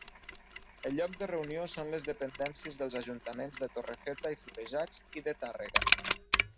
El lloc de reunió són les dependències dels Ajuntaments de Torrefeta i Florejacs i de Tàrrega.